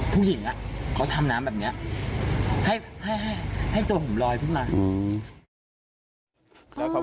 ผู้หญิงอ่ะเขาทำน้ำแบบเนี้ยให้ให้ให้ให้ตัวหุ่มลอยทุกนานอืม